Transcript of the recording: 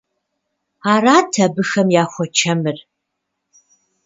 Арат абыхэм яхуэчэмыр.